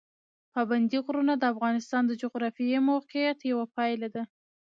پابندي غرونه د افغانستان د جغرافیایي موقیعت یوه پایله ده.